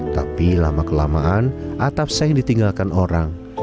tapi lama kelamaan atap seng ditinggalkan orang